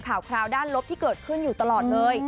คราวด้านลบที่เกิดขึ้นอยู่ตลอดเลย